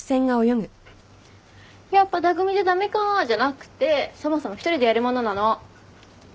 「やっぱ匠じゃ駄目か」じゃなくてそもそも１人でやるものなの。